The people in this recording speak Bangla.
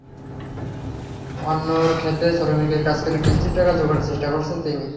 অন্যের খেতে শ্রমিকের কাজ করে কিস্তির টাকা জোগাড়ের চেষ্টা করছেন তিনি।